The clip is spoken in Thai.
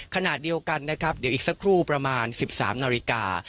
ขณะเดียวกันนะครับเดี๋ยวอีกสักครู่ประมาณ๑๓นาฬิกา